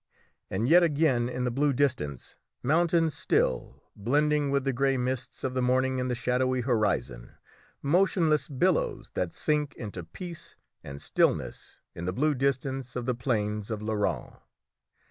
and yet again in the blue distance mountains still, blending with the grey mists of the morning in the shadowy horizon! motionless billows that sink into peace and stillness in the blue distance of the plains of Lorraine.